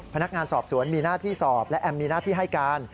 พนักงานสอบสวนมีหน้าที่สอบและแอมมีหน้าที่ให้การ